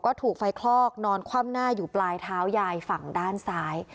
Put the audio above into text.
ก็ถูกไฟคลอกนอนคว่ำหน้าอยู่ปลายเท้ายายฝั่งด้านซ้าย